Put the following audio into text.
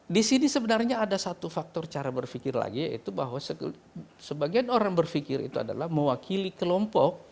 di sini sebenarnya ada satu faktor cara berpikir lagi yaitu bahwa sebagian orang berpikir itu adalah mewakili kelompok